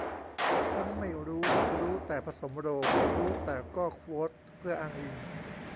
ทั้งไม่รู้ รู้แต่ผสมโรง รู้แต่ก็โควตเพื่ออ้างอิง